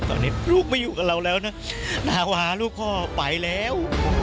ตอนนี้ลูกไม่อยู่กับเราแล้วนะหาว่าลูกพ่อไปแล้ว